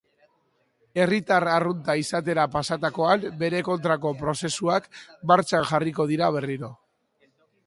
Herritar arrunta izatera pasatakoan bere kontrako prozesuak martxan jarriko dira berriro.